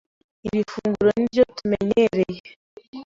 Iri funguro ni iryo tumenyereye